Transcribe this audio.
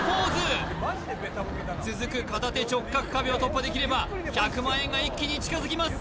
続く片手直角脳かべを突破できれば１００万円が一気に近づきます